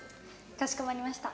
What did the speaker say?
かしこまりました。